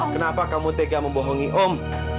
kenapa kamu tega membohongi om